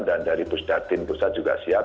dan dari bu sudatin bu sudatin juga siap